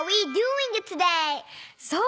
そう！